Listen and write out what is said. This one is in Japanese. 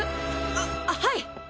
あっはい！